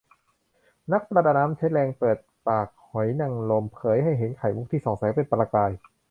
นักประดาน้ำ ใช้แรงเปิดปากหอยนางลม เผยให้เห็นไข่มุขที่ส่องแสงเป็นประกาย